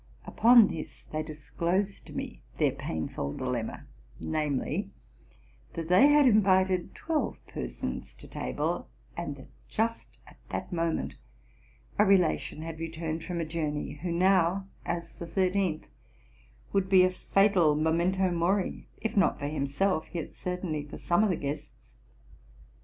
Upon this they disclosed: to me their painful dilemma ; namely, that they had invited twelve persons to table, and that just at that moment a relation had returned from a journey, who now, as the thirteenth, would be a fatal memento mori, if not for himself, yet certainly for some of the guests.